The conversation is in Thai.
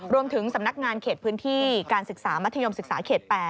รวมถึงสำนักงานเขตพื้นที่การศึกษามัธยมศึกษาเขต๘